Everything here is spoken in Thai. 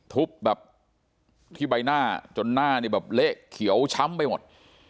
ทุบแบบที่ใบหน้าจนหน้านี่แบบเละเขียวช้ำไปหมด